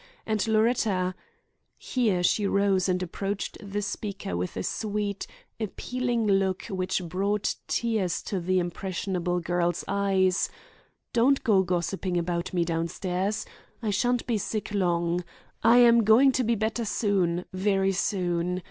And Loretta—" here she rose and approached the speaker with a sweet, appealing look which brought tears to the impressionable girl's eyes, "don't go gossiping about me downstairs. I sha'n't be sick long. I am going to be better soon, very soon.